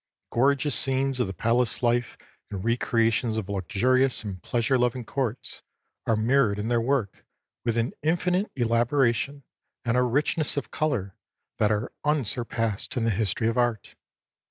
Gorgeous scenes of the palace life and recreations of luxurious and pleasure loving courts are mirrored in their work with an infinite elaboration and a richness of color that are unsurpassed in the history of art.